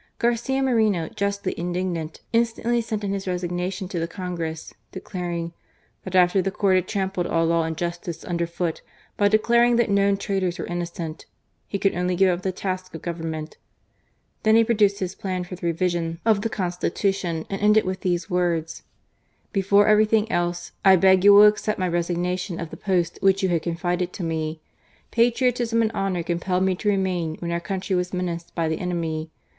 Garcia Moreno, justly indignant, instantly sent in his resignation to the Congress, declaring that after the court had trampled all law and justice under foot by declaring that known traitors were innocent," he could only give up the task of government. Then he produced his plan for the revision of the Constitution, and ended with these words :" Before everything else, I beg you will accept my resignation of the post which you had confided to me. ... Patriotism and honour compelled me to remain when our country was menaced by the enemy.